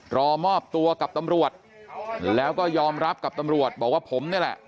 รอมอบตัวกับตำรวจแล้วก็ยอมรับกับตำรวจบอกว่าผมนี่แหละ